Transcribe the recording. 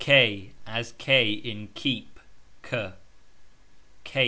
... As k in keep ......